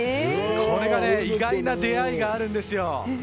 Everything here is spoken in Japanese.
これが意外な出会いがあるんです。